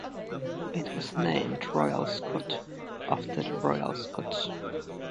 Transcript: It was named "Royal Scot" after the Royal Scots.